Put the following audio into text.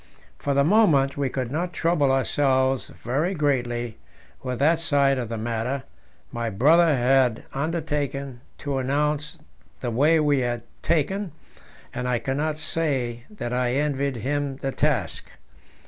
For the moment we could not trouble ourselves very greatly with that side of the matter; my brother had undertaken to announce the way we had taken, and I cannot say that I envied him the task.